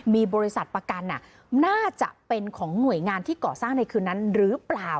มีบริษัทประกันน่าจะเป็นของหน่วยงานที่ก่อสร้างในคืนนั้นหรือเปล่า